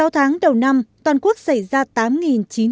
sáu tháng đầu năm toàn quốc xảy ra tám vụ cháy